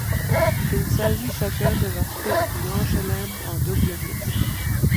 Il s'agit chacun de leur titre du Grand Chelem en double mixte.